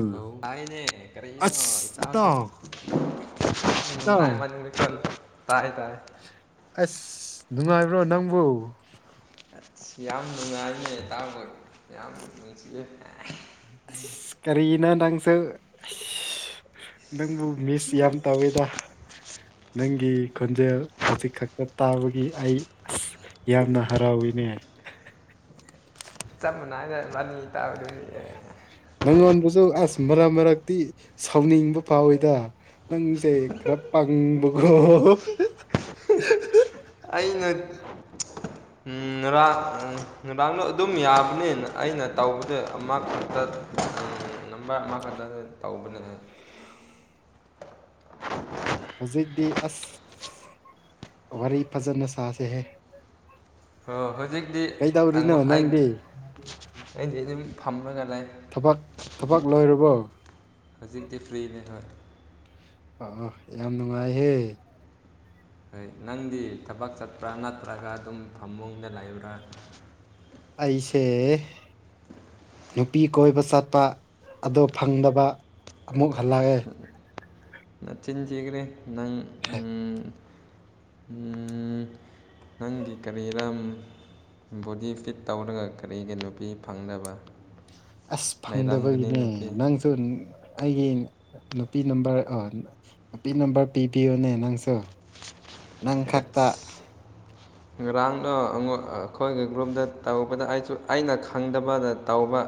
Hello ꯑꯩꯅꯦ ꯀꯔꯤꯅꯣ ꯑꯁ ꯏꯇꯟꯁꯦ ꯏꯇꯥꯎ [unintelligible] ꯏꯇꯥꯎ ꯅꯨꯡꯉꯥꯏ ꯃꯥꯟ [unintelligible] ꯇꯥꯏ ꯇꯥꯏ ꯑꯁ ꯅꯨꯡꯉꯥꯏꯕꯔꯣ ꯅꯪꯕꯨ ꯑꯁ ꯌꯥꯝ ꯅꯨꯡꯉꯥꯏꯅꯦ ꯏꯇꯥꯎꯕꯨ ꯌꯥꯝ ꯅꯨꯡꯁꯤꯌꯦ ꯑꯁ ꯀꯔꯤꯅꯣ ꯅꯪꯁꯨ ꯑꯁ ꯅꯪꯕꯨ ꯃꯤꯁ ꯌꯥꯝ ꯇꯧꯏꯗ ꯅꯪꯒꯤ ꯈꯣꯟꯖꯦꯜ ꯍꯧꯖꯤꯛ ꯈꯛꯇ ꯇꯥꯕꯒꯤ ꯑꯩ ꯑꯁ ꯌꯥꯝꯅ ꯍꯔꯥꯎꯋꯤꯅꯦ ꯆꯞ ꯃꯥꯟꯅꯥꯏꯅꯦ ꯏꯕꯥꯟꯅꯤ ꯇꯕꯗꯨꯒꯤ ꯅꯪꯉꯣꯟꯗꯁꯨ ꯑꯁ ꯃꯔꯛ ꯃꯔꯛꯇꯤ ꯁꯥꯎꯅꯤꯡꯕ ꯐꯥꯎꯋꯤꯗ ꯅꯪꯁꯦ ꯈꯔ ꯄꯪꯕꯀꯣ [unintelligible] ꯑꯩꯅꯥ ꯎꯝ ꯉꯔꯥꯡ ꯉꯔꯥꯡꯗꯣ ꯑꯗꯨꯝ ꯌꯥꯕꯅꯦ ꯑꯩꯅ ꯇꯧꯕꯗ ꯑꯃꯈꯛꯇ [inaudible] ꯅꯝꯕꯔ ꯑꯃ ꯈꯛꯇꯗ ꯇꯧꯕꯅꯦꯍꯦ ꯍꯧꯖꯤꯛꯇꯤ ꯑꯁ ꯋꯥꯔꯤ ꯐꯖꯅ ꯁꯥꯁꯦꯍꯦ ꯍꯣ ꯍꯧꯖꯤꯛꯇꯤ ꯀꯩꯗꯧꯔꯤꯅꯣ ꯑꯩꯉꯣ ꯑꯩ ꯅꯪꯗꯤ ꯑꯩꯗꯤ ꯗꯨꯝ ꯐꯝꯃꯒ ꯂꯩ ꯊꯕꯛ ꯍꯧꯖꯤꯛ ꯊꯕꯛ ꯂꯣꯏꯔꯕꯣ ꯍꯧꯖꯤꯛꯇꯤ ꯐ꯭ꯔꯤꯅꯦ ꯍꯣꯏ ꯑꯣ ꯑꯣ ꯌꯥꯝ ꯅꯨꯡꯉꯥꯏꯍꯦ ꯍꯣꯏ ꯅꯪꯗꯤ ꯊꯕꯛ ꯆꯠꯄ꯭ꯔꯥ ꯅꯠꯇ꯭ꯔꯒ ꯑꯗꯨꯝ ꯐꯃꯨꯡꯗ ꯂꯩꯕ꯭ꯔꯥ ꯑꯩꯁꯦ ꯅꯨꯄꯤ ꯀꯣꯏꯕ ꯆꯠꯄ ꯑꯗꯣ ꯐꯪꯗꯕ ꯑꯃꯨꯛ ꯍꯜꯂꯛꯑꯦ ꯅꯆꯤꯟ ꯊꯤꯒꯔꯦ ꯅꯪ ꯎꯝ ꯎꯝ ꯅꯪꯒꯤ ꯀꯔꯤ ꯔꯝ ꯕꯣꯗꯤ ꯐꯤꯠ ꯇꯧꯔꯒ ꯀꯔꯤꯒꯤ ꯅꯨꯄꯤ ꯐꯪꯗꯕ ꯑꯁ ꯂꯩꯔꯝꯒꯅꯤ ꯐꯪꯗꯕꯒꯤꯅꯦ ꯅꯨꯄꯤ ꯅꯪ [unintelligible] ꯑꯩꯒꯤ ꯅꯨꯄꯤ ꯅꯝꯕꯔ ꯑ ꯅꯨꯄꯤ ꯅꯝꯕꯔ ꯄꯤꯕꯤꯌꯨꯅꯦ ꯅꯪꯁꯨ ꯅꯪ ꯈꯛꯇ ꯑꯁ ꯉꯔꯥꯡꯗꯣ ꯑꯃꯨꯛ ꯑꯩꯈꯣꯏꯒꯤ ꯒ꯭ꯔꯨꯞꯗ ꯇꯧꯕꯗ ꯑꯩꯁꯨ ꯑꯩꯅ ꯈꯪꯗꯕꯗ ꯇꯧꯕ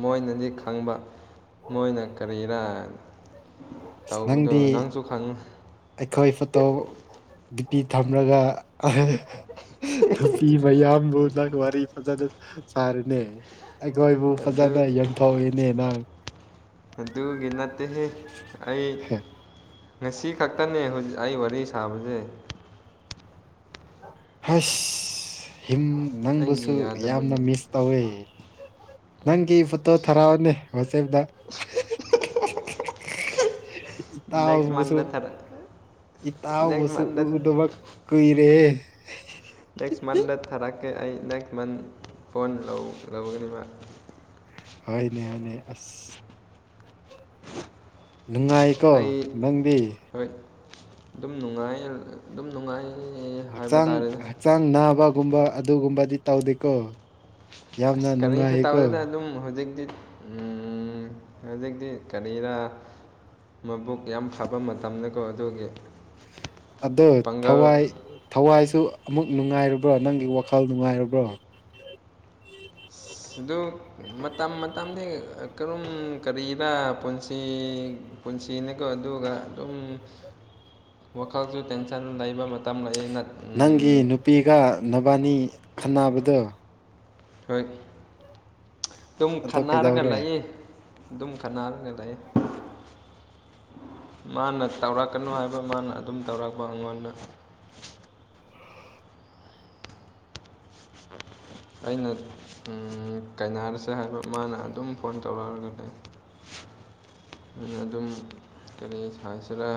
ꯃꯣꯏꯅꯗꯤ ꯈꯪꯕ ꯃꯣꯏꯅ ꯀꯔꯤꯔ ꯑꯁ ꯇꯧꯕꯗꯣ ꯅꯪꯗꯤ ꯅꯪꯁꯨ ꯈꯪꯉꯨ ꯑꯩꯈꯣꯏ ꯐꯣꯇꯣ ꯗꯤꯄꯤ ꯊꯝꯔꯒ ꯑꯍꯥ ꯍꯥ ꯅꯨꯄꯤ ꯃꯌꯥꯝꯕꯨ ꯅꯪ ꯋꯥꯔꯤ ꯐꯖꯅꯥ ꯁꯥꯔꯦꯅꯦ ꯑꯩꯈꯣꯏꯕꯨ ꯑꯗꯨ ꯐꯖꯅ ꯌꯣꯟꯊꯣꯛꯌꯦꯅꯦ ꯅꯪ ꯑꯗꯨꯒꯤ ꯅꯠꯇꯦꯍꯦ ꯑꯩ ꯉꯁꯤ ꯈꯛꯇꯅꯦ ꯍꯧꯖꯤ ꯑꯩ ꯋꯥꯔꯤ ꯁꯥꯕꯁꯦ ꯍꯁ ꯍꯤꯝ ꯅꯪꯕꯨꯁꯨ ꯑꯩꯒꯤ ꯌꯥꯝꯅ ꯌꯥꯗꯕꯒꯤ ꯃꯤꯁ ꯇꯧꯔꯦ ꯅꯪꯒꯤ ꯐꯣꯇꯣ ꯊꯥꯔꯛꯑꯣꯅꯦ ꯋꯥꯆꯦꯞꯗ ꯅꯦꯛꯁ ꯏꯇꯥꯎꯕꯨꯁꯨ ꯃꯟꯗ ꯊꯥꯔꯛ ꯅꯦꯛꯁ ꯏꯇꯥꯥꯎꯕꯨꯁꯨ ꯃꯟꯗ ꯎꯗꯕ ꯀꯨꯏꯔꯦꯍꯦ ꯅꯦꯛꯁ ꯃꯟꯗ ꯊꯥꯔꯛꯀꯦ ꯑꯩ ꯅꯦꯛꯁ ꯃꯟ ꯐꯣꯟ ꯂꯧ ꯂꯧꯒꯅꯤꯕ ꯍꯣꯏꯅꯦ ꯍꯣꯏꯅꯦ ꯑꯁ ꯅꯨꯡꯉꯥꯏꯀꯣ ꯑꯩ ꯅꯪꯗꯤ ꯍꯣꯏ ꯑꯗꯨꯝ ꯅꯨꯡꯉꯥꯏꯑ ꯑꯗꯨꯝ ꯅꯨꯡꯉꯥꯏ ꯍꯥꯏꯕ ꯍꯛꯆꯥꯡ ꯇꯥꯔꯦꯗ ꯍꯛꯆꯥꯡ ꯅꯥꯕꯒꯨꯝꯕ ꯑꯗꯨꯒꯨꯝꯕꯗꯤ ꯇꯧꯗꯦꯀꯣ ꯌꯥꯝꯅ ꯑꯁ ꯀꯔꯤꯁꯨ ꯇꯧꯗꯦꯗ ꯅꯨꯡꯉꯥꯏꯀꯣ ꯑꯗꯨꯝ ꯍꯧꯖꯤꯛꯇꯤ ꯎꯝ ꯍꯧꯖꯤꯛꯇꯤ ꯀꯔꯤꯔ ꯃꯕꯨꯛ ꯌꯥꯝ ꯐꯕ ꯃꯇꯝꯗꯀꯣ ꯑꯗꯨꯒꯤ ꯑꯗꯣ ꯄꯥꯡꯒꯜ ꯊꯋꯥꯏ ꯊꯋꯥꯏꯁꯨ ꯑꯃꯨꯛ ꯅꯨꯡꯉꯥꯏꯔꯕ꯭ꯔꯣ ꯅꯪꯒꯤ ꯋꯥꯈꯜ ꯅꯨꯡꯉꯥꯏꯔꯕ꯭ꯔꯣ ꯑꯁ ꯑꯗꯨ ꯃꯇꯝ ꯃꯇꯝꯗꯤ ꯀꯔꯨꯝ ꯀꯔꯤꯔ ꯄꯨꯟꯁꯤ ꯄꯨꯟꯁꯤꯅꯦꯀꯣ ꯑꯗꯨꯒ ꯑꯗꯨꯝ [inaudible] ꯋꯥꯈꯜꯁꯨ ꯇꯦꯟꯁꯟ ꯂꯩꯕ ꯃꯇꯝ ꯂꯩꯌꯦ ꯅꯠ ꯅꯪꯒꯤ ꯅꯨꯄꯤꯒ ꯅꯕꯥꯅꯤ ꯈꯠꯅꯕꯗꯣ ꯍꯣꯏ ꯑꯗꯨꯝ ꯑꯗꯣ ꯈꯠꯅꯔꯒꯥ ꯀꯩꯗꯧꯔꯦ ꯂꯩꯌꯦ ꯑꯗꯨꯝ ꯈꯠꯅꯔꯒ ꯂꯩꯌꯦ ꯃꯥꯅ ꯇꯧꯔꯛꯀꯅꯨ ꯍꯥꯏꯕ ꯃꯥꯅ ꯑꯗꯨꯝ ꯇꯧꯔꯛꯄ ꯑꯉꯣꯟꯗ ꯑꯩꯅ ꯎꯝ ꯀꯥꯏꯅꯔꯁꯦ ꯍꯥꯏꯕ ꯃꯥꯅ ꯑꯗꯨꯝ ꯐꯣꯟ ꯇꯧꯔꯛꯑꯒꯅꯦ ꯑꯩꯅ ꯑꯗꯨꯝ ꯀꯔꯤ ꯍꯥꯏꯁꯤꯔ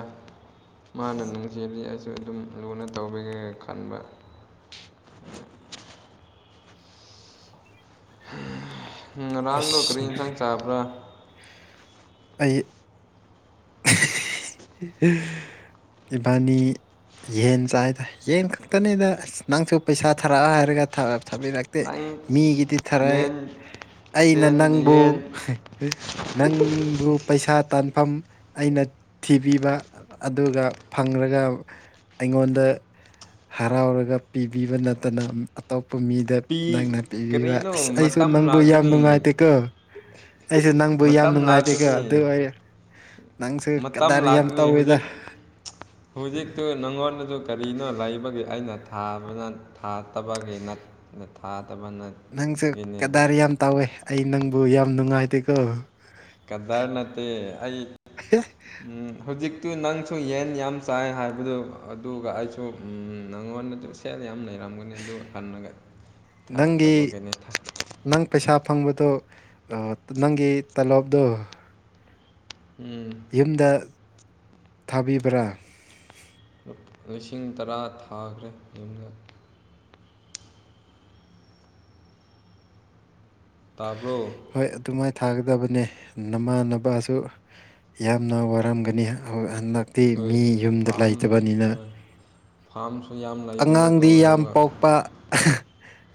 ꯃꯥꯅ ꯅꯨꯡꯁꯤꯔꯗꯤ ꯑꯩꯁꯨ ꯑꯗꯨꯝ ꯂꯨꯅ ꯇꯧꯕꯤꯒꯦ ꯈꯟꯕ ꯉꯔꯥꯡꯗꯣ ꯀꯔꯤ ꯑꯁ ꯏꯟꯁꯥꯡ ꯆꯥꯕ꯭ꯔꯥ ꯑꯩ ꯏꯕꯥꯅꯤ ꯌꯦꯟ ꯆꯥꯏꯗ ꯌꯦꯟ ꯈꯛꯇꯅꯤꯗ ꯑꯥꯁ ꯅꯪꯁꯨ ꯄꯩꯁꯥ ꯊꯥꯔꯛꯑ ꯍꯥꯏꯔꯒ ꯊꯔꯛ ꯊꯥꯕꯤꯔꯛ ꯇꯦ ꯅꯪ ꯃꯤꯒꯤꯗꯤ ꯊꯔꯛꯑꯦ ꯌꯦꯟ ꯑꯩꯅ ꯆꯦꯟ ꯅꯪꯕꯨ ꯌꯦꯟ ꯅꯪꯕꯨ ꯄꯩꯁꯥ ꯇꯥꯟꯐꯝ ꯑꯩꯅ ꯊꯤꯕꯤꯕ ꯑꯗꯨꯒ ꯐꯪ꯭ꯒꯔꯒ ꯑꯩꯉꯣꯟꯗ ꯍꯔꯥꯎꯔꯒ ꯄꯤꯕꯤꯕ ꯅꯠꯇꯅ ꯑꯇꯣꯞꯄ ꯃꯤꯗ ꯄꯤ ꯅꯪꯅ ꯄꯤꯕꯤꯕ ꯀꯔꯤꯅꯣ ꯑꯁ ꯑꯩꯁꯨ ꯃꯇꯝ ꯅꯪꯕꯨ ꯌꯥꯝ ꯂꯥꯛꯀꯅꯤ ꯅꯨꯡꯉꯥꯏꯇꯦꯀꯣ ꯑꯩꯁꯨ ꯅꯪꯕꯨ ꯌꯥꯝ ꯃꯇꯝ ꯅꯨꯡꯉꯥꯏꯇꯦ ꯀꯣ ꯑꯗꯨ ꯂꯥꯛꯀꯅꯤ ꯑꯩ ꯅꯪꯁꯨ ꯃꯇꯝ ꯀꯗꯥꯔ ꯌꯥꯝ ꯂꯥꯛꯀꯅꯤ ꯇꯧꯋꯤꯗ ꯍꯧꯖꯤꯛ ꯍꯧꯖꯤꯛꯇꯨ ꯅꯪꯉꯣꯟꯗꯖꯨ ꯀꯔꯤꯅꯣ ꯂꯩꯕꯒꯤ ꯑꯩꯅ ꯊꯥꯕꯅ ꯊꯥꯗꯕꯒꯤ ꯅꯠ ꯅꯠ ꯊꯥꯗꯕ ꯅꯠ ꯅꯪꯁꯨ ꯀꯗꯔ ꯌꯥꯝ ꯇꯥꯎꯋꯦ ꯑꯩ ꯅꯪꯕꯨ ꯌꯥꯝ ꯅꯨꯡꯉꯥꯏꯇꯦꯀꯣ ꯀꯗꯔ ꯅꯠꯇꯦ ꯑꯩ ꯑꯦ ꯎꯝ ꯍꯧꯖꯤꯛꯇꯨ ꯅꯪꯁꯨ ꯌꯦꯟ ꯌꯥꯝ ꯆꯥꯏ ꯍꯥꯏꯕꯗꯨ ꯑꯗꯨꯒ ꯑꯩꯁꯨ ꯎꯝ ꯅꯪꯉꯣꯟꯗꯗꯨ ꯁꯦꯜꯅ ꯌꯥꯝ ꯂꯩꯔꯝꯒꯅꯤ ꯑꯗꯨ ꯍꯟꯅꯒ ꯅꯪꯒꯤ ꯊꯥꯔꯛꯇꯕꯒꯤꯅꯤꯗ ꯅꯪ ꯄꯩꯁꯥ ꯐꯪꯕꯗꯨ ꯑꯣ ꯅꯪꯒꯤ ꯇꯂꯣꯞꯗꯨ ꯎꯝ ꯌꯨꯝꯗ ꯊꯥꯕꯤꯕ꯭ꯔꯥ꯫ ꯂꯤꯁꯤꯡ ꯇꯔꯥ ꯊꯥꯈ꯭ꯔꯦ ꯌꯨꯝꯗ꯫ ꯇꯥꯕ꯭ꯔꯣ ꯍꯣꯏ ꯑꯗꯨꯃꯥꯏ꯫ ꯊꯥꯒꯗꯕꯅꯦ ꯅꯃꯥ ꯅꯄꯥꯁꯨ ꯌꯥꯝꯅ ꯋꯥꯔꯝꯒꯅꯤ ꯍꯣ ꯍꯟꯗꯛ꯫ ꯗꯤ ꯃꯤ ꯍꯣꯏ ꯌꯨꯝꯗ ꯐꯥꯝ ꯂꯩꯇꯕꯅꯤꯅ꯫ ꯍꯣꯏ ꯐꯥꯝꯁꯨ ꯌꯥꯝ ꯑꯉꯥꯡꯗꯤ ꯂꯩꯕꯅꯀꯣ ꯌꯥꯝ ꯑꯗꯨꯒ ꯄꯣꯛꯄ꯫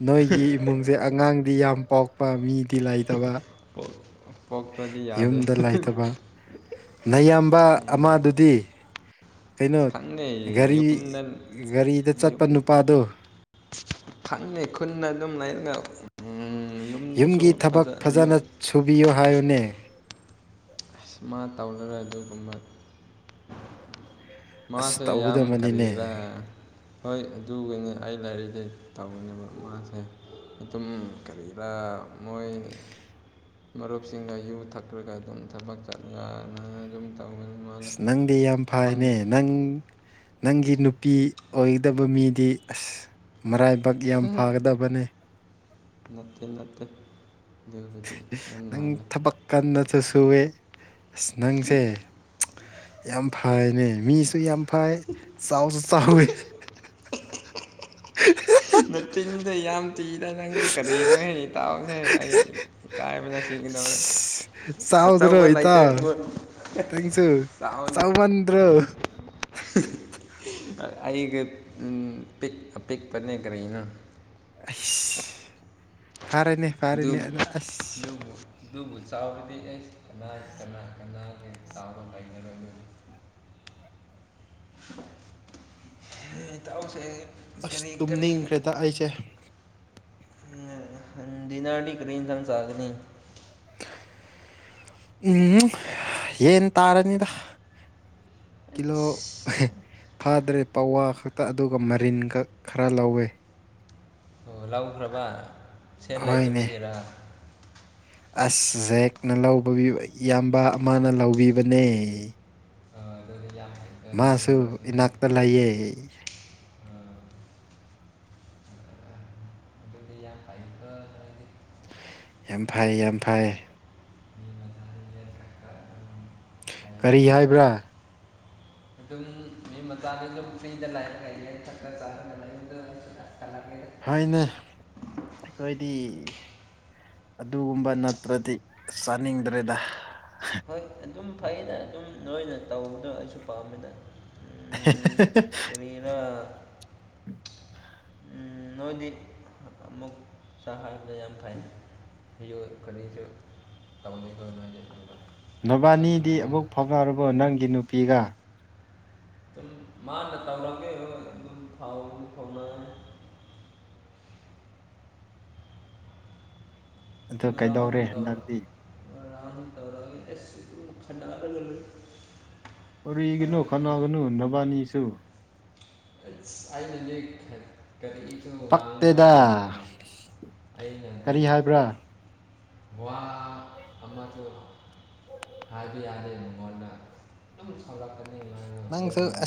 ꯅꯣꯏꯒꯤ ꯏꯃꯨꯡꯁꯦ ꯑꯉꯥꯡꯗꯤ ꯌꯥꯝ ꯄꯣꯛꯄ ꯃꯤ ꯄꯣ ꯄꯣꯛꯇ꯭ꯔꯗꯤ ꯌꯥꯗꯦ꯫ ꯌꯨꯝꯗ ꯂꯩꯇꯕ ꯅꯌꯥꯝꯕ ꯑꯃꯗꯨꯗꯤ꯫ ꯀꯩꯅꯣ ꯈꯪꯗꯦ ꯒꯥꯔꯤ ꯌꯨꯝꯗ ꯒꯥꯔꯤꯗ ꯆꯠꯄ ꯅꯨꯄꯥꯗꯣ꯫ ꯐꯪꯅꯤ ꯈꯨꯨꯟꯅ ꯑꯗꯨꯝ ꯂꯩꯔꯒ꯫ ꯎꯝ, ꯌꯨꯝꯒꯤ ꯌꯨꯝꯁꯨ ꯊꯕꯛ ꯐꯖ ꯌꯨꯝ ꯐꯖꯅ ꯁꯨꯕꯤꯌꯨ ꯍꯥꯏꯌꯨꯅꯦ꯫ ꯁꯨꯃꯥꯏꯅ ꯇꯧꯔꯒ ꯑꯗꯨꯒꯨꯝꯕ꯫ ꯑꯁ ꯃꯥꯁꯦ ꯌꯥꯝ ꯇꯧꯒꯗꯕꯅꯤꯅꯦ ꯀꯔꯤꯔ꯫ ꯍꯣꯏ ꯑꯗꯨꯒꯤꯅꯦ ꯑꯩ ꯂꯥꯏꯔꯤꯁꯦ ꯇꯧꯅꯦꯕ ꯃꯥꯁꯦ ꯑꯗꯨꯝ ꯀꯔꯤꯔꯥ ꯃꯣꯏ꯫ ꯃꯔꯨꯞꯁꯤꯡꯅ ꯌꯨ ꯊꯛꯈ꯭ꯔꯒ ꯑꯗꯨꯝ ꯊꯕꯛ ꯆꯠꯂꯒꯅ ꯑꯗꯨꯝ ꯇꯧꯒꯅꯤ꯫ ꯑꯁ ꯅꯪꯗꯤ ꯌꯥꯝ ꯐꯩꯌꯦꯅꯦ ꯅꯪ꯫ ꯅꯪꯒꯤ ꯅꯨꯄꯤ ꯑꯣꯏꯒꯗꯕ ꯃꯤꯗꯤ ꯑꯁ ꯃꯔꯥꯏꯕꯛ ꯌꯥꯝ ꯐꯒꯗꯕꯅꯤ꯫ ꯅꯠꯇꯦ ꯅꯠꯇꯦ ꯑꯗꯨꯕꯨꯗꯤ ꯌꯥꯝ ꯅꯪ ꯂꯥꯜꯂꯦ꯫ ꯊꯕꯛ ꯀꯟꯅꯁꯨ ꯁꯨꯋꯦ ꯑꯁ ꯅꯪꯁꯦ꯫ ꯌꯥꯝ ꯐꯩꯅꯦ ꯃꯤꯁꯨ ꯌꯥꯝ ꯐꯩ ꯆꯥꯎꯁꯨ ꯆꯥꯎꯋꯤ꯫ [unintelligible] [unintelligible] ꯅꯇꯦ ꯌꯥꯝ ꯊꯤ ꯅꯪꯗꯨ ꯀꯔꯤꯅꯣ ꯇꯥꯎꯍꯦ ꯑꯩ꯫ ꯏꯀꯥꯏꯕꯅ ꯁꯤꯒꯗꯧꯔꯦ꯫ ꯏꯁ ꯆꯥꯎꯗ꯭ꯔꯣ ꯑꯆꯧꯕ ꯂꯩꯇꯦ ꯏꯇꯥꯎ ꯅꯪꯁꯨ ꯆꯧꯅꯤ ꯆꯥꯎꯃꯟꯗ꯭ꯔꯣ ꯀꯔꯤ ꯑꯩꯒ ꯎꯝ ꯄꯤꯛ ꯑꯄꯤꯛꯄꯅꯦ ꯀꯔꯤꯅꯣ꯫ ꯑꯁ ꯐꯔꯦꯅꯦ꯫ ꯑꯗꯨ ꯐꯔꯦꯅꯦ ꯑꯗ ꯑꯁ ꯑꯗꯨꯕꯨ꯫ ꯑꯗꯨꯕꯨ ꯆꯥꯎꯕꯗꯤ ꯑꯦꯁ ꯀꯅꯥ ꯀꯅꯥ ꯀꯅꯥ ꯍꯦꯛ ꯆꯥꯎꯕ ꯂꯩꯅꯔꯝꯒꯅꯤ꯫ ꯏꯇꯥꯎꯁꯦ꯫ ꯑꯁ ꯀꯔꯤ ꯀꯔꯤ ꯇꯨꯝꯅꯤꯡꯈ꯭ꯔꯦꯗ ꯑꯩꯁꯦ꯫ ꯎꯝ ꯗꯤꯅꯥꯔꯗꯤ ꯀꯔꯤ ꯏꯟꯁꯥꯡ ꯆꯥꯒꯅꯤ꯫ ꯎꯝ ꯌꯦꯟ ꯇꯥꯔꯅꯤꯗ꯫ ꯀꯤꯂꯣ ꯐꯥꯗ꯭ꯔꯦ ꯄꯋꯥ ꯈꯛꯇ ꯑꯗꯨꯒ ꯃꯔꯤꯟ ꯈꯛ ꯈꯔ ꯂꯧꯋꯦ꯫ ꯑꯣ ꯂꯧꯈ꯭ꯔꯕ ꯁꯦꯠ ꯍꯣꯏꯅꯦ ꯂꯥꯏꯇꯕꯒꯤꯔꯥ꯫ ꯑꯁ ꯖꯦꯛꯅ ꯂꯧꯕ ꯏꯌꯥꯝꯕ ꯑꯃꯅ ꯂꯧꯕꯤꯕꯅꯦ꯫ ꯑ ꯑꯗꯨꯗꯤ ꯌꯥꯝ ꯅꯣꯏ ꯃꯥꯁꯨ ꯃꯔꯨꯞꯁꯤꯡꯗꯤ ꯏꯅꯥꯛꯇ ꯂꯩꯌꯦ꯫ ꯑꯥ ꯑꯗꯨꯗꯤ ꯌꯥꯝ ꯐꯩꯀꯣ꯫ ꯌꯥꯝ ꯐꯩ ꯌꯥꯝ ꯐꯩ꯫ ꯃꯤ ꯃꯆꯥꯗꯤ ꯌꯦꯠ ꯈꯔ ꯈꯔ ꯑꯗꯨꯝ ꯀꯔꯤ ꯂꯩꯗꯅ ꯍꯥꯏꯕ꯭ꯔꯥ꯫ ꯑꯗꯨꯝ ꯃꯤ ꯃꯆꯥꯗꯤ ꯑꯗꯨꯝ ꯐ꯭ꯔꯤꯗ ꯂꯥꯏꯔꯒ ꯌꯦ ꯊꯛꯀ ꯆꯥꯔꯒ ꯂꯩꯗ ꯀꯜꯂꯛꯑꯦ꯫ ꯍꯣꯏꯅꯦ ꯑꯩꯈꯣꯏꯗꯤ꯫ ꯑꯗꯨꯒꯨꯝꯕ ꯅꯠꯇ꯭ꯔꯗꯤ ꯆꯥꯅꯤꯡꯗ꯭ꯔꯦꯗ ꯍꯣꯏ ꯑꯗꯨꯝ ꯐꯩꯅ ꯑꯗꯨꯝ ꯅꯣꯏꯅ ꯇꯧꯕꯗꯣ ꯑꯩꯁꯨ ꯄꯥꯝꯃꯤꯅ ꯎꯝ [unintelligible] ꯀꯔꯤꯔ ꯑꯝ ꯅꯣꯏꯗꯤ ꯑꯃꯨꯛꯇ ꯍꯥꯏꯕꯗ ꯌꯥꯝ ꯐꯩꯩ ꯑꯩ ꯀꯔꯤꯁꯨ ꯇꯃꯗ ꯑꯣꯏ [unintelligible] ꯅꯕꯥꯅꯤꯗꯤ ꯑꯃꯨꯛ ꯐꯥꯎꯅꯔꯕꯣ ꯅꯪꯒꯤ ꯅꯨꯄꯤꯒ ꯑꯗꯨꯨꯝ ꯃꯥꯅ ꯇꯧꯔꯝꯒꯦ ꯑꯗꯨꯝ ꯐꯥꯎ ꯐꯥꯎꯅꯔꯦ ꯑꯗꯣ ꯀꯩꯗꯧꯔꯦ ꯉꯔꯥꯡ ꯇꯧꯔꯛ ꯍꯟꯗꯛꯇꯤ ꯉꯔꯥꯡ ꯇꯧꯔꯛ ꯑꯁ ꯈꯠꯅꯕꯗ ꯂꯣꯢꯔꯦ ꯀꯔꯤꯒꯤꯅꯣ ꯈꯠꯅꯒꯅꯨ ꯅꯕꯥꯅꯤꯁꯨ ꯑꯩꯁ ꯑꯩꯒꯤ [unintelligible] ꯀꯔꯤ ꯏꯁꯨ ꯉꯥꯡꯕ ꯄꯛꯇꯦꯗ ꯌ [unintelligible] ꯑꯩꯅꯗꯤ ꯀꯔꯤ ꯍꯥꯏꯕ꯭ꯔꯥ ꯋꯥ ꯑꯃꯗꯨ ꯍꯥꯏꯕ ꯌꯥꯗꯦ ꯃꯉꯣꯟꯗ ꯑꯗꯨꯝ ꯁꯥꯎꯔꯛꯒꯅꯤ ꯑꯗꯨꯒꯤꯅꯦ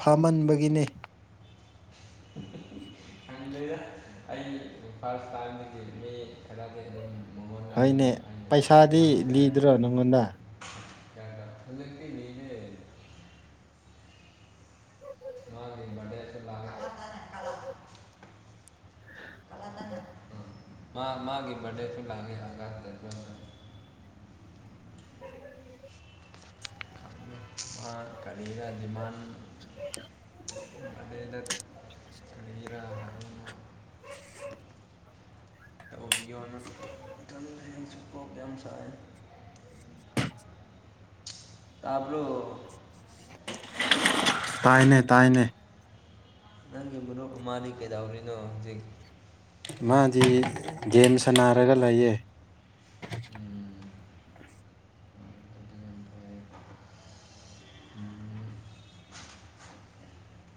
ꯐꯥꯝꯍꯟꯕꯒꯤꯅꯦ [inaudible] ꯈꯪꯗꯦꯗ ꯑꯩ ꯏꯝꯐꯥꯜ [unintelligible] ꯇꯥꯗꯤ ꯃꯤ ꯈꯔꯗꯤ ꯑꯗꯨꯝ ꯃꯉꯣꯟꯗ ꯑꯗꯨꯝ ꯍꯣꯏꯅꯦ ꯑꯩꯅ ꯄꯩꯁꯥꯗꯤ ꯂꯤꯗ꯭ꯔꯣ ꯅꯪꯉꯣꯟꯗ ꯑꯥ ꯍꯧꯖꯤꯛꯇꯤ ꯅꯤꯗꯦ ꯦ [unintelligible] ꯃꯥꯒꯤ ꯕꯔꯗꯦꯁꯤ ꯂꯥꯡꯒꯤꯗ [unintelligible] ꯎ [unintelligible] ꯃꯥ ꯀꯔꯤꯔ ꯗꯤꯃꯥꯟ ꯑꯗꯗꯠ [unintelligible] ꯀꯔꯤꯔ ꯇꯧꯕꯤꯌꯣꯅ ꯑꯩ ꯀꯣꯛ ꯌꯥꯝ ꯁꯥꯢ ꯇꯥꯕ꯭ꯔꯣ ꯇꯥꯏꯅꯦ ꯇꯥꯏꯅꯦ ꯅꯪꯒꯤ ꯃꯔꯨꯞ ꯑꯃꯗꯤ ꯀꯩꯗꯧꯔꯤꯅꯣ ꯍꯧꯖꯤꯛ ꯃꯥꯗꯤ ꯒꯦꯝ ꯁꯅꯔꯒ ꯂꯩꯌꯦ ꯎꯝ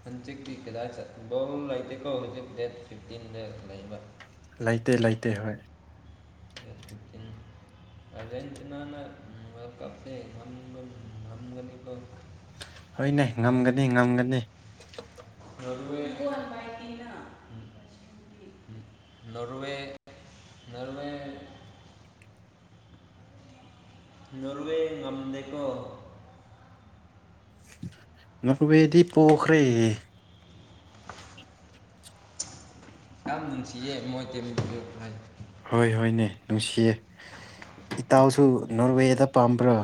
ꯍꯟꯆꯤꯛꯇꯀꯤ ꯀꯤꯗꯥꯢ ꯐꯨꯠꯕꯣꯜ ꯂꯩꯇꯦꯀꯣ ꯍꯧꯖꯤꯛ ꯗꯦꯠ ꯐꯤꯐꯇꯤꯟꯗ ꯂꯩꯕ ꯂꯩꯇꯦ ꯂꯩꯇꯦ ꯍꯣꯏ ꯗꯦꯠ ꯐꯤꯞꯇꯤꯟ [inaudible] [unintelligible] ꯍꯣꯏꯅꯦ ꯉꯝꯒꯅꯤ ꯉꯝꯒꯅꯤ [unintelligible] [unintelligible] ꯅꯣꯔꯋꯦ ꯉꯝꯗꯦꯀꯣ ꯅꯣꯔꯋꯦꯗꯤ ꯄꯣꯈꯔꯦ ꯌꯥꯝ ꯅꯨꯡꯁꯤꯌꯦ ꯃꯣꯏ ꯇꯤꯝꯗꯣ ꯍꯥꯏꯗꯤ ꯍꯣꯏ ꯍꯣꯏꯅꯦ ꯅꯨꯡꯁꯤꯌꯦ ꯏꯇꯥꯎꯁꯨ ꯅꯣꯔꯋꯦꯗ ꯄꯥꯝꯕ꯭ꯔꯣ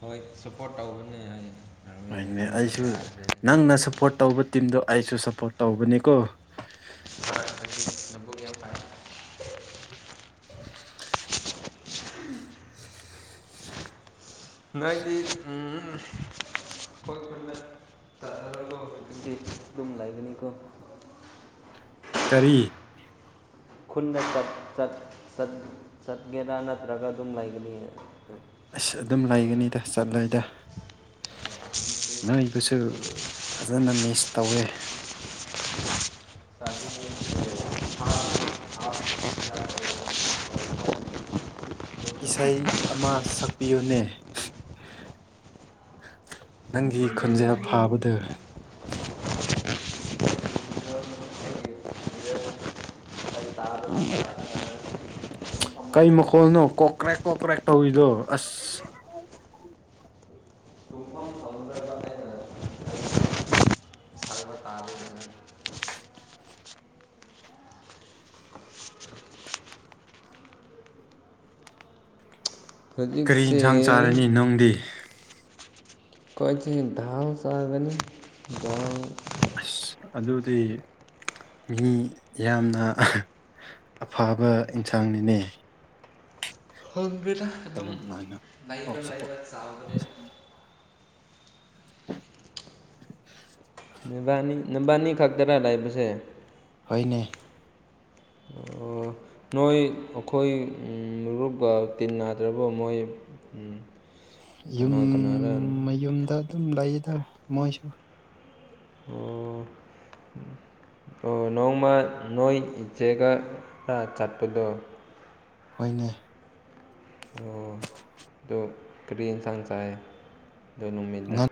ꯍꯣꯏ ꯁꯞꯄꯣꯔꯠ ꯇꯧꯕꯅꯦ ꯑꯩ ꯅꯣꯔꯋꯦꯗ ꯑꯗꯨꯒ ꯌꯥꯗ꯭ꯔꯦ ꯅꯪꯅ ꯁꯄꯣꯔꯠ ꯇꯧꯕ ꯇꯤꯝꯗꯣ ꯑꯩꯁꯨ ꯁꯄꯣꯔꯠ ꯇꯧꯕꯅꯤꯀꯣ [unintelligible] [inaudible] ꯅꯣꯏꯗꯤ ꯎꯝ [unintelligible] [unintelligible] ꯇꯨꯝ ꯂꯩꯕꯅꯤꯀꯣ ꯀꯔꯤ ꯈꯨꯟꯗ ꯆꯠ ꯆꯠ ꯆꯠ ꯆꯠꯒꯦꯔꯥ ꯅꯠꯇ꯭ꯔꯒ ꯑꯗꯨꯝ ꯂꯩꯒꯅꯤ ꯑꯗꯣ ꯑꯁ ꯑꯗꯨꯝ ꯂꯩꯒꯅꯤꯗ ꯆꯠꯂꯣꯏꯗ ꯅꯣꯏꯕꯨꯁꯨ ꯐꯖꯅ ꯃꯤꯁ ꯇꯧꯋꯦ [unintelligible] ꯏꯁꯩ ꯑꯃ ꯁꯛꯄꯤꯌꯨꯅꯦ ꯅꯪꯒꯤ ꯈꯨꯟꯖꯦꯟ ꯐꯥꯕꯗꯨ [unintelligible] ꯀꯩ ꯃꯈꯣꯜꯅꯣ ꯀꯣ ꯀ꯭ꯔꯦꯛ ꯀꯣ ꯀ꯭ꯔꯦꯛ ꯇꯧꯋꯤꯗꯣ ꯑꯁ [unintelligible] [unintelligible] ꯀꯔꯤ ꯍꯧꯖꯤꯛꯁꯦ ꯏꯟꯁꯥꯡ ꯆꯥꯔꯅꯤ ꯑꯩꯈꯣꯏꯁꯦ ꯅꯨꯡꯗꯤ [unintelligible] ꯑꯁ ꯑꯗꯨꯗꯤ ꯃꯤ ꯌꯥꯝꯅ ꯑꯐꯕ ꯏꯟꯁꯥꯡꯅꯤꯅꯦ [unintelligible] ꯑꯗꯨꯝ ꯇꯂꯨꯞ ꯅꯥꯏꯅ ꯂꯩꯕ ꯂꯩꯕ ꯆꯕꯅꯦ ꯅꯨꯕꯥꯅꯤ ꯅꯨꯕꯥꯅꯤ ꯈꯛꯇꯔ ꯂꯩꯕꯁꯦ ꯍꯣꯏꯅꯦ ꯑꯣ [unintelligible] ꯅꯣꯏ ꯑꯩꯈꯣꯏ ꯎꯝ ꯔꯨꯞꯕ ꯇꯤꯟ ꯅꯥꯗ꯭ꯔꯕ ꯃꯣꯏ ꯌꯨꯝ ꯀꯅꯥ ꯀꯅꯥꯔ ꯃꯌꯨꯝꯗ ꯑꯗꯨꯝ ꯂꯩꯗ ꯃꯣꯏꯁꯨ ꯑꯣ [inaudible] ꯑꯣ ꯅꯣꯡꯃ ꯅꯣꯏ ꯏꯆꯦꯒ ꯈꯔ ꯆꯠꯄꯗꯣ ꯍꯣꯏꯅꯦ ꯑꯣ ꯗꯣ ꯀ꯭ꯔꯤ ꯏꯟꯁꯥꯡ ꯆꯥꯏ ꯗꯣ ꯅꯨꯃꯤꯗ ꯉꯟ